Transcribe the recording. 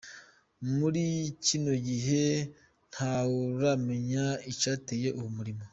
Muri kino gihe ntawuramenya icateye uwo muriro.